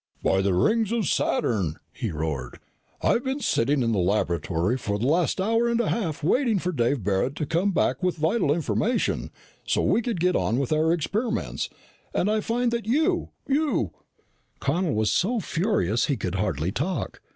"By the rings of Saturn!" he roared. "I've been sitting in the laboratory for the last hour and a half waiting for Dave Barret to come back with vital information, so we could get on with our experiments, and I find that you you " Connel was so furious, he could hardly talk.